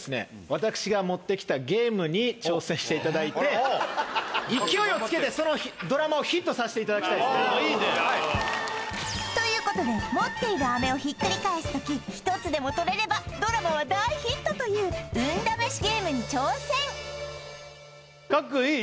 私が持ってきたゲームに挑戦していただいて勢いをつけてそのドラマをヒットさせていただきたいですねということで持っている飴をひっくり返す時１つでも取れればドラマは大ヒットという運試しゲームに挑戦賀来くんいい？